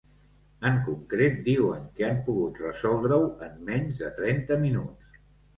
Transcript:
En concret, diuen que han pogut resoldre-ho en menys de trenta minuts.